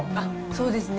そうですね。